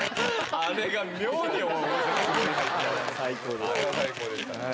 あれは最高でした。